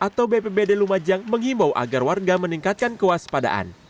dan penanggulangan bencana daerah atau bppd lumajang menghimbau agar warga meningkatkan kewaspadaan